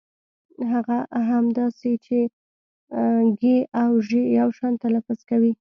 هغه هم داسې چې ږ او ژ يو شان تلفظ کوي.